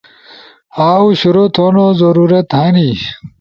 اؤ شروع تھونو ضرورت ہنی۔